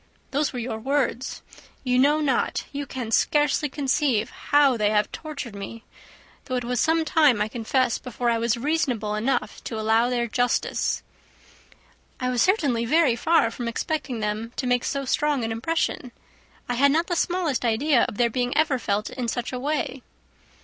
Those were your words. You know not, you can scarcely conceive, how they have tortured me; though it was some time, I confess, before I was reasonable enough to allow their justice." "I was certainly very far from expecting them to make so strong an impression. I had not the smallest idea of their being ever felt in such a way."